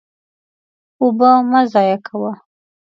اوبه مه ضایع کوه.